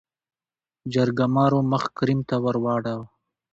جرګمارو مخ کريم ته ورواړو .